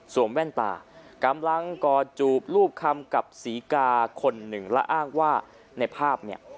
แว่นตากำลังกอดจูบรูปคำกับศรีกาคนหนึ่งและอ้างว่าในภาพเนี่ย